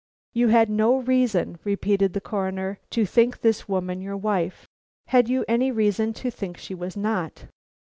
"You had no reason," repeated the Coroner, "to think this woman your wife. Had you any reason to think she was not?"